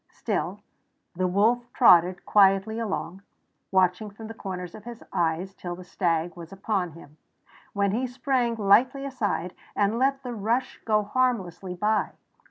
Still the wolf trotted quietly along, watching from the corners of his eyes till the stag was upon him, when he sprang lightly aside and let the rush go harmlessly by.